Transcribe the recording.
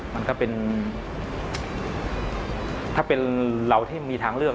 มันก็เป็นถ้าเป็นเราที่มีทางเลือก